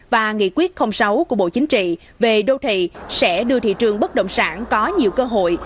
và nghị quyết sáu của bộ chính trị về đô thị sẽ đưa thị trường bất động sản có nhiều cơ hội